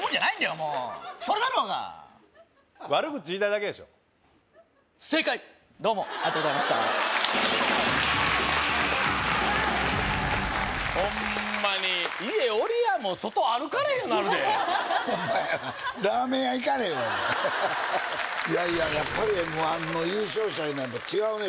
もうそれだろうが悪口言いたいだけでしょ正解どうもありがとうございましたホンマに家おりやもうホンマやないやいややっぱりＭ−１の優勝者になると違うね